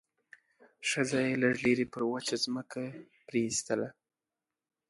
ښځه يې لږ لرې پر وچه ځمکه پرېيستله.